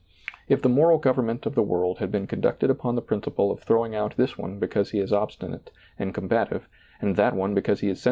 If the moral government of the world had been conducted upon the principle of throwing out this one because he is obstinate and com bative, and that one because he is sen.